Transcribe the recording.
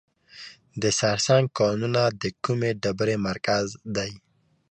د سرسنګ کانونه د کومې ډبرې مرکز دی؟